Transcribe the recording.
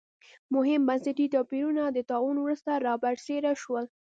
مهم بنسټي توپیرونه د طاعون وروسته را برسېره شول.